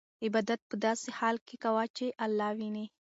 عبادت په داسې حال کې کوه چې الله وینې.